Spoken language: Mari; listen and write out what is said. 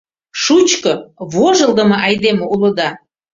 — Шучко, вожылдымо айдеме улыда!